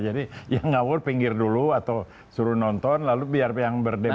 jadi yang ngawur pinggir dulu atau suruh nonton lalu biar yang berdebat